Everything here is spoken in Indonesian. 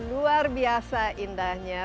luar biasa indahnya